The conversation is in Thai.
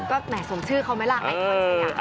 ก็แห่สมชื่อเขาไหมล่ะไอคอนเสนา